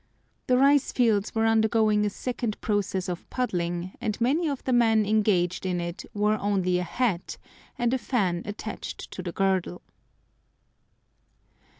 The rice fields were undergoing a second process of puddling, and many of the men engaged in it wore only a hat, and a fan attached to the girdle.